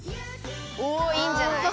おいいんじゃない？